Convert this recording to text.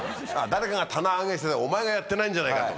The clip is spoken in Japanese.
誰かが棚上げしてたお前がやってないんじゃないかとか。